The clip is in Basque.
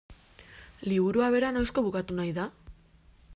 Liburua bera noizko bukatu nahi da?